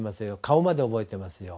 顔まで覚えてますよ。